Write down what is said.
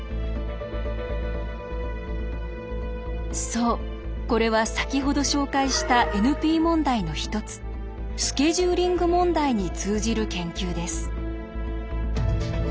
そうこれは先ほど紹介したＮＰ問題の一つスケジューリング問題に通じる研究です。